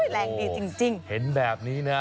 เรียกจริง